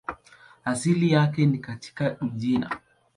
Asili yake ni katika Uchina.